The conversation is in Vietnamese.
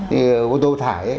thì ô tô thải ấy